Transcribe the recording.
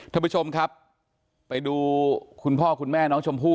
ท่านผู้ชมครับไปดูคุณพ่อคุณแม่น้องชมพู่